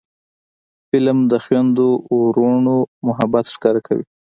فلم د خویندو ورونو محبت ښکاره کوي